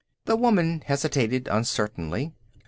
The woman hesitated uncertainly.